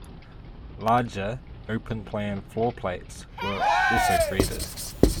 Larger, open plan floorplates were also created.